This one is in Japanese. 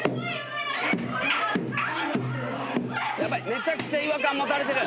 めちゃくちゃ違和感持たれてる。